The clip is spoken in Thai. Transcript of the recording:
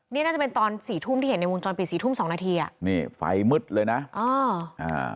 นี่น่าจะเป็นตอนสี่ทุ่มที่เห็นในวงจรปิดสี่ทุ่มสองนาทีอ่ะนี่ไฟมืดเลยนะอ๋ออ่า